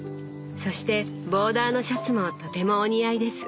そしてボーダーのシャツもとてもお似合いです。